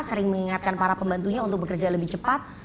sering mengingatkan para pembantunya untuk bekerja lebih cepat